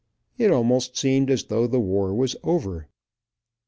It almost seemed, as though the war was over.